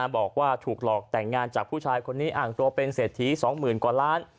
บอกว่าถูกหลอกแต่งงานจากผู้ชายคนนี้อ่างตัวเป็นเศรษฐี๒๐๐๐กว่าล้าน